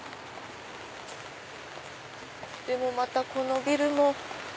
でもまたこのビルも。